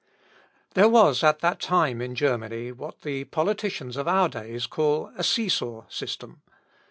There was, at that time, in Germany, what the politicians of our days call a "see saw system."